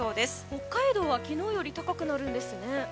北海道は昨日より高くなるんですね。